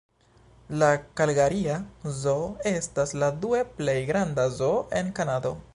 La kalgaria zoo estas la due plej granda zoo en Kanado.